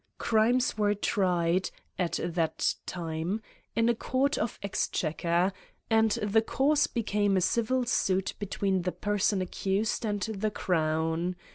Crimes were tried, at that time, in a court of exchequer, and the cause became a civil suit between the person accused and the crown.